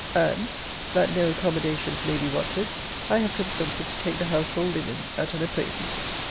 And, that no accommodations may be wanted, I have consented to take the household linen at an appraisement.